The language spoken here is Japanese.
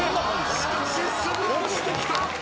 しかしすぐ押してきた！